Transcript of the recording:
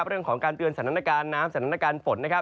เรื่องของการเตือนสถานการณ์น้ำสถานการณ์ฝนนะครับ